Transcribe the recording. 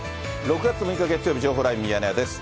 ６月６日月曜日、情報ライブミヤネ屋です。